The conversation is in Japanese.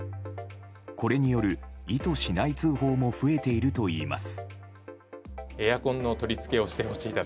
これによる意図しない通報も増えているといいます。